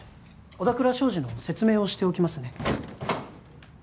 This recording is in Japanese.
小田倉商事の説明をしておきますね